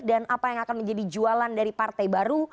dan apa yang akan menjadi jualan dari partai baru